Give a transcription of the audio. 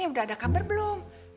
udah ada kabar belum